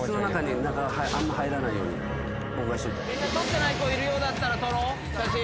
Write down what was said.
みんな撮ってない子いるようだったら撮ろう写真。